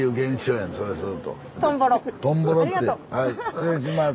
失礼します。